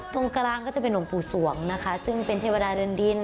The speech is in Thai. ตรงกลางก็จะเป็นหลวงปู่สวงนะคะซึ่งเป็นเทวดาเรือนดิน